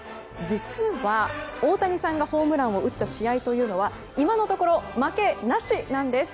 実は、大谷さんがホームランを打った試合というのは今のところ負けなしなんです。